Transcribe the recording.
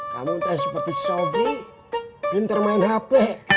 kamu entah seperti si sobri bintang main hp